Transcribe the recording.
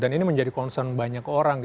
dan ini menjadi concern banyak orang